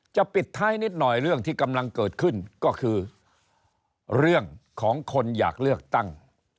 ปิดท้ายนิดหน่อยเรื่องที่กำลังเกิดขึ้นก็คือเรื่องของคนอยากเลือกตั้ง